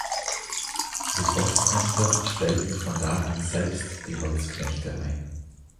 Die Forstämter stellten von da an selbst die Holzknechte ein.